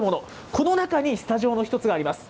この中に、スタジオの一つがあります。